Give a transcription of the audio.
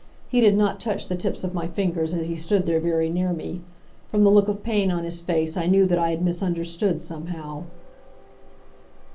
He did not touch the tips of my fingers as he stood there very near me. From the look of pain on his face I knew that I had misunderstood, somehow.